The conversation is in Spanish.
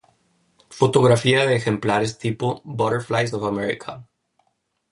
Fotografía de ejemplares tipo, Butterflies of America